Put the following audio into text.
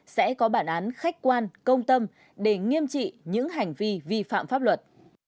sẽ có bản án khách quan công tâm để nghiêm trị những hành vi vi phạm pháp luật